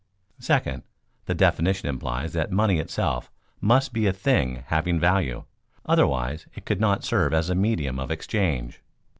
Second, the definition implies that money itself must be a thing having value, otherwise it could not serve as a medium of exchange.